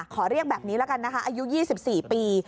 ขอเรียกแบบนี้ละกันนะคะอายุ๒๔ปี